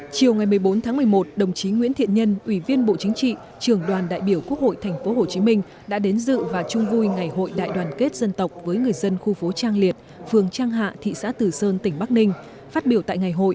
chiều ngày một mươi bốn tháng một mươi một đồng chí nguyễn thiện nhân ủy viên bộ chính trị trường đoàn đại biểu quốc hội tp hcm đã đến dự và chung vui ngày hội đại đoàn kết dân tộc với người dân khu phố trang liệt phường trang hạ thị xã tử sơn tỉnh bắc ninh phát biểu tại ngày hội